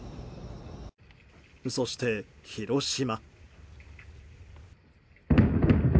そして、広島。